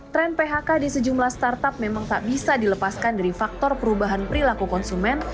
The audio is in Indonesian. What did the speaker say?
tren phk di sejumlah startup memang tak bisa dilepaskan dari faktor perubahan perilaku konsumen